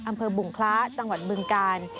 อำเภอบุงคล้าจังหวัดบึงกาล